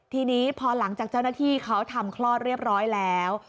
ทีนี้พอหลังจากเจ้าหน้าที่เขาทำคลอดเรียบร้อยแล้ว